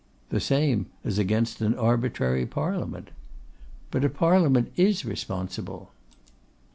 'The same as against an arbitrary Parliament.' 'But a Parliament is responsible.